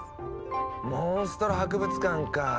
モンストロ博物館かぁ。